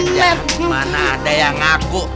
ya mana ada yang ngaku